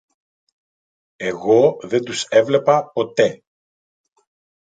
Εγώ δεν τους έβλεπα ποτέ.